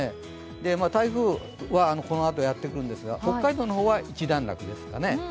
台風はこのあとやってくるんですが、北海道の方は一段落ですかね。